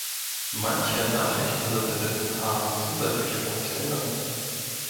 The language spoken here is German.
Manche Nachrichtensatelliten haben zusätzliche Funktionen.